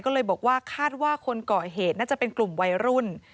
ก็เลยบอกว่าคาดว่าคนก่อเหตุน่าจะเป็นกลุ่มวัยรุ่น